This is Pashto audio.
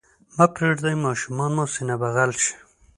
مه پرېږدئ ماشومان مو سینه بغل شي.